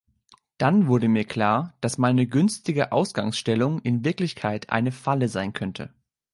Dann wurde mir klar, dass meine günstige Ausgangsstellung in Wirklichkeit eine Falle sein könnte.